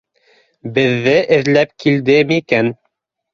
Беҙҙе эҙләп килде микән